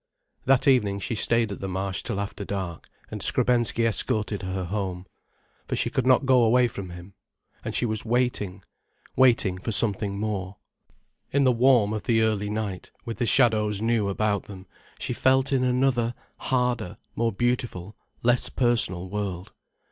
That evening she stayed at the Marsh till after dark, and Skrebensky escorted her home. For she could not go away from him. And she was waiting, waiting for something more. In the warm of the early night, with the shadows new about them, she felt in another, harder, more beautiful, less personal world.